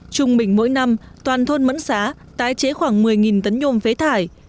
trung bình mỗi năm toàn thôn mẫn xá tái chế khoảng một mươi tấn nhôm phế thải